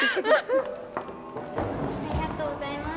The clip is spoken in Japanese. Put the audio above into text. ありがとうございます。